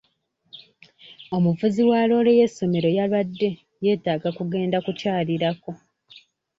Omuvuzi wa loole y'essomero yalwadde yeetaaga kugenda kukyalirako.